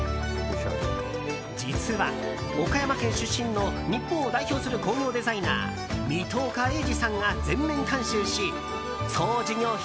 実は岡山県出身の日本を代表する工業デザイナー水戸岡鋭治さんが全面監修し総事業費